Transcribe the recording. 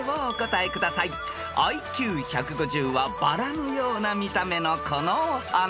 ［ＩＱ１５０はバラのような見た目のこのお花］